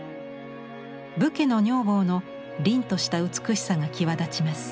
武家の女房のりんとした美しさが際立ちます。